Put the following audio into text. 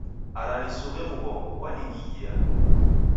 Ara nisuw'e mghongo, ghwaninyghia.